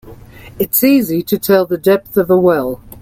It's easy to tell the depth of a well.